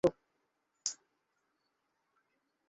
আমি কখনই চাই না আমার মেয়ে এই দেশে জন্ম নিক বা থাকুক।